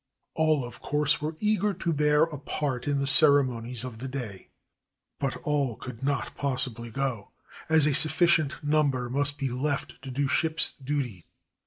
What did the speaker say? All, of course, were eager to bear a part in the ceremonies of the day, but all could not possibly go, as a sufficient number must be left to do ships' duty.